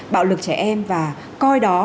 bạo lực trẻ em và coi đó